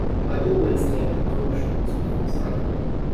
I always take precautions before cycling.